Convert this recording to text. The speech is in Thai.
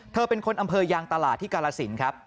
เธอเป็นคนอำเภอยางตลาดที่กาลสินครับ